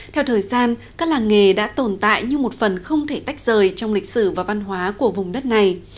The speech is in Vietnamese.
theo thời gian các làng nghề đã tồn tại như một phần không thể tách rời trong lịch sử và văn hóa của vùng đất này